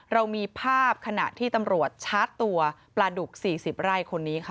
เรามีภาพขณะที่ตำรวจชาร์จตัวปลาดุก๔๐ไร่คนนี้ค่ะ